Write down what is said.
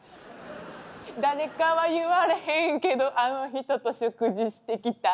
「誰かは言われへんけどあの人と食事してきた」